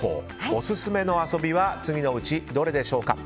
オススメの遊びは次のうちどれでしょうか。